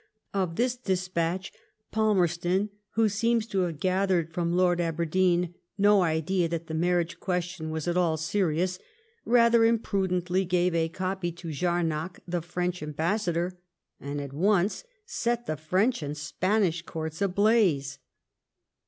Of this despatch, Palmerston, who seems to have gathered from Lord Aberdeen no idea that the marriage question was at all serious, rather imprudently gave a copy to Jamac, the French Ambassador, and at once set the French and Spanish Courts ablaze.